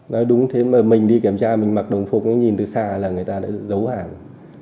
nói đúng thế mà mình đi kiểm tra mình mặc đồng phục nó nhìn từ xa là người ta đã giấu hàng rồi